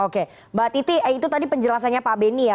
oke mbak titi itu tadi penjelasannya pak beni ya